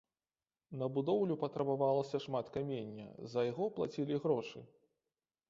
На будоўлю патрабавалася шмат камення, за яго плацілі грошы.